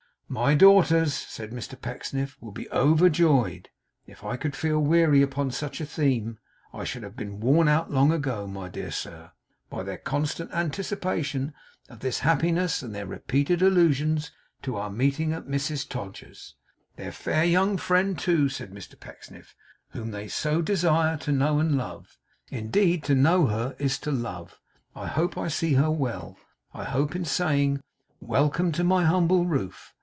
'My daughters,' said Mr Pecksniff, 'will be overjoyed. If I could feel weary upon such a theme, I should have been worn out long ago, my dear sir, by their constant anticipation of this happiness and their repeated allusions to our meeting at Mrs Todgers's. Their fair young friend, too,' said Mr Pecksniff, 'whom they so desire to know and love indeed to know her, is to love I hope I see her well. I hope in saying, "Welcome to my humble roof!"